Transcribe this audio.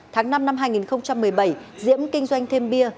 tháng năm năm hai nghìn một mươi bảy diễm kinh doanh thêm bia